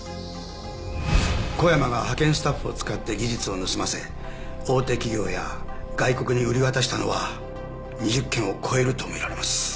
小山が派遣スタッフを使って技術を盗ませ大手企業や外国に売り渡したのは２０件を超えるとみられます。